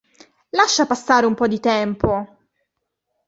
Lascia passare un po' di tempo!